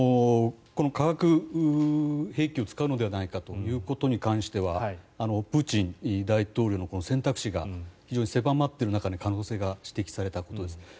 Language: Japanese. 化学兵器を使うのではないかということに関してはプーチン大統領の選択肢が非常に狭まっている可能性が指摘されたことです。